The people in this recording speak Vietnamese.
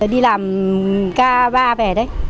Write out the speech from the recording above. đi làm ca ba về đấy